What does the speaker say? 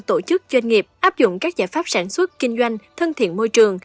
tổ chức doanh nghiệp áp dụng các giải pháp sản xuất kinh doanh thân thiện môi trường